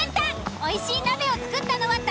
おいしい鍋を作ったのは誰？